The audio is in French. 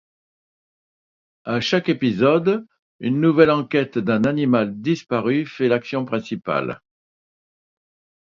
À chaque épisode, une nouvelle enquête d'un animal disparu fait l'action principale.